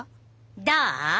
どう？